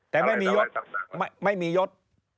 แต่ไม่มียศ